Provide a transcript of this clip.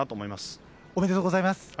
◆おめでとうございます。